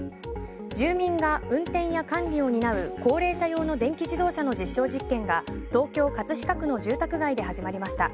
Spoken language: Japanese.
住民が運転や管理を担う高齢者用の電気自動車の実証実験が東京・葛飾区の住宅街で始まりました。